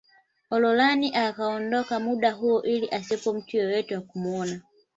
Olonana akaondoka muda huo ili asiwepo mtu yeyote wa kumuona